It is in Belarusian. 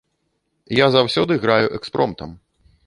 Я заўсёды граю экспромтам.